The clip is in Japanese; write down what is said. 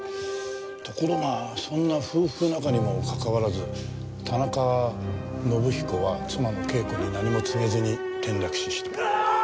ところがそんな夫婦仲にもかかわらず田中伸彦は妻の啓子に何も告げずに転落死した。